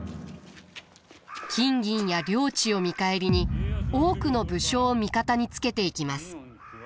金銀や領地を見返りに多くの武将を味方につけていきます。